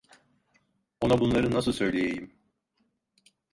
Ona bunları nasıl söyleyeyim?